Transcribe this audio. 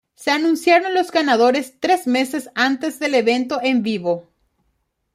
Se anunciaron los ganadores tres meses antes del evento en vivo.